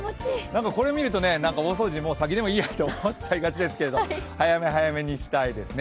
これを見ると、大掃除、先でもいいやと思っちゃいそうですけど、早め早めにしたいですね。